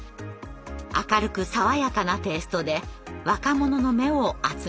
明るく爽やかなテイストで若者の目を集めました。